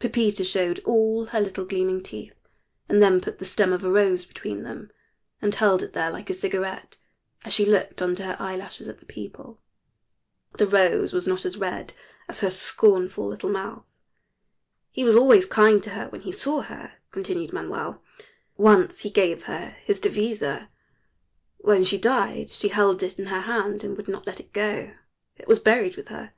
Pepita showed all her little gleaming teeth, and then put the stem of a rose between them and held it there like a cigarette as she looked under her eyelashes at the people. The rose was not as red as her scornful little mouth. "He was always kind to her when he saw her," continued Manuel. "Once he gave her his devisa. When she died she held it in her hand and would not let it go. It was buried with her.